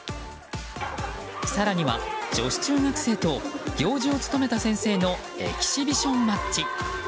更には、女子中学生と行司を務めた先生のエキシビションマッチ。